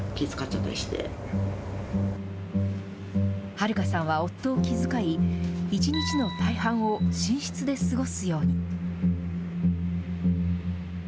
はるかさんは夫を気遣い、一日の大半を寝室で過ごすように。